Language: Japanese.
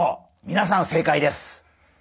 みなさん正解です。